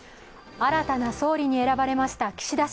新たな総理に選ばれました岸田氏。